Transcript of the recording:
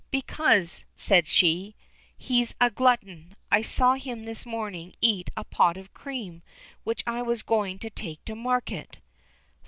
"Because," said she, "he is a glutton; I saw him this morning eat a pot of cream which I was going to take to market."